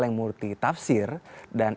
yang multitafsir dan